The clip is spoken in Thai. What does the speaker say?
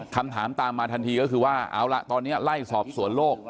คำถามตามมาทันทีก็คือว่าเอาละตอนนี้ไล่สอบสวนโลก